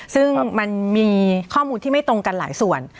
ซึ่งมันมีข้อมูลที่ไม่ตรงกันหลายส่วน